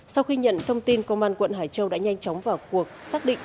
sau khi nhận thông tin công an quận hải châu đã nhanh chóng vào cuộc xác định